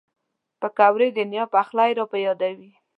پکورې د نیا پخلی را په یادوي